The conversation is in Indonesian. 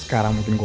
aku akan menanginmu